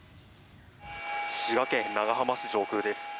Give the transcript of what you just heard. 滋賀県長浜市上空です。